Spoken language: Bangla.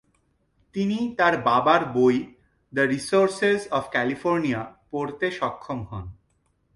তিনি তার বাবার বই, দ্য রিসোর্সেস অফ ক্যালিফোর্নিয়া পড়তে সক্ষম হন।